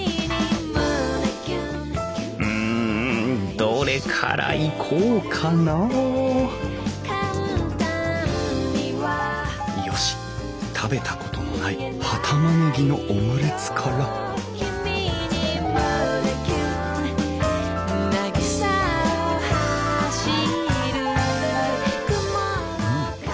うんどれからいこうかなあよし食べたことのない葉たまねぎのオムレツからうん。